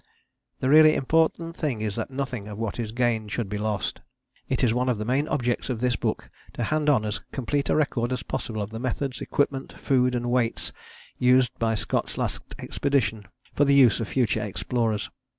The really important thing is that nothing of what is gained should be lost. It is one of the main objects of this book to hand on as complete a record as possible of the methods, equipment, food and weights used by Scott's Last Expedition for the use of future explorers.